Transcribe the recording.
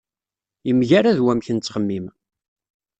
Yemgerrad wamek nettxemmim.